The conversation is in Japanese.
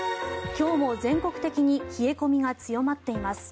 今日も全国的に冷え込みが強まっています。